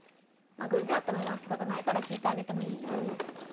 偶然会ったもんは仕方ないから聞いてあげてもいいよ。